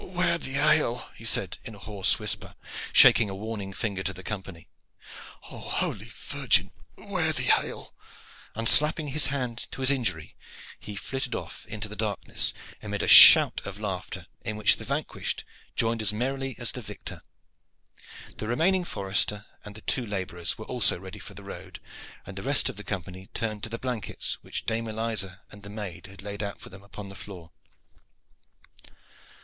"'Ware the ale!" he said in a hoarse whisper, shaking a warning finger at the company. "Oh, holy Virgin, 'ware the ale!" and slapping his hands to his injury, he flitted off into the darkness, amid a shout of laughter, in which the vanquished joined as merrily as the victor. The remaining forester and the two laborers were also ready for the road, and the rest of the company turned to the blankets which Dame Eliza and the maid had laid out for them upon the floor.